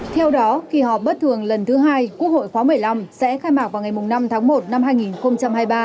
theo đó kỳ họp bất thường lần thứ hai quốc hội khóa một mươi năm sẽ khai mạc vào ngày năm tháng một năm hai nghìn hai mươi ba